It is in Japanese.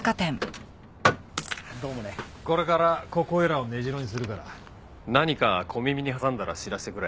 これからここいらを根城にするから何か小耳に挟んだら知らせてくれ。